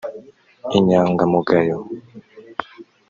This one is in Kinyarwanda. inyangamugayo